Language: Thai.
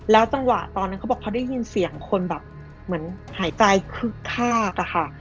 จังหวะตอนนั้นเขาบอกเขาได้ยินเสียงคนแบบเหมือนหายใจคึกคักอะค่ะ